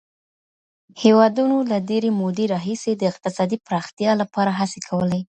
هېوادونو له ډېرې مودې راهيسې د اقتصادي پراختيا لپاره هڅي کولې.